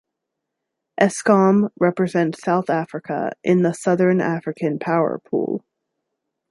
Eskom represents South Africa in the Southern African Power Pool.